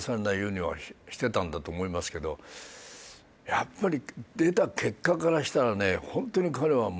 やっぱり。